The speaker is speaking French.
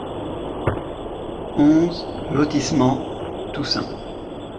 onze lotissement Toussaint